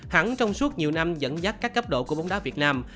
hắn trong suốt nhiều năm dẫn dắt các cấp độ của bóng đá việt nam